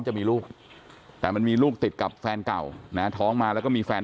จะมีลูกแต่มันมีลูกติดกับแฟนเก่านะท้องมาแล้วก็มีแฟน